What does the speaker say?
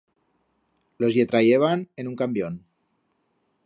Los ie trayeban en un cambión.